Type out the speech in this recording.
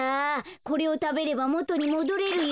これをたべればもとにもどれるよ。